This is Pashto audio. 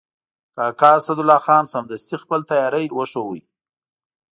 کاکا اسدالله خان سمدستي خپل تیاری وښود.